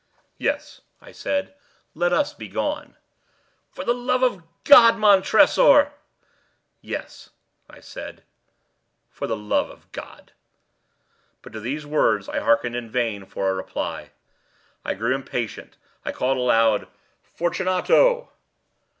"Yes," I said, "let us be gone." "For the love of God, Montressor!" "Yes," I said, "for the love of God!" But to these words I hearkened in vain for a reply. I grew impatient. I called aloud— "Fortunato!"